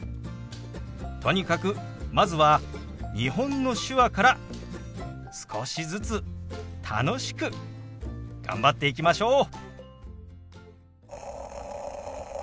とにかくまずは日本の手話から少しずつ楽しく頑張っていきましょう。